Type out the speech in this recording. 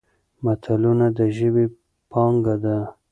متلونه د ژبې پانګه ده.